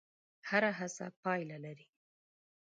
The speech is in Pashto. هره هڅه پایله لري.